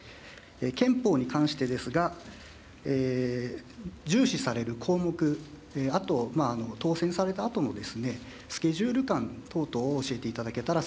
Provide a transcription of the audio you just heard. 憲法に関してですが、重視される項目、あと当選されたあとのスケジュール感等々を教えていただけたら幸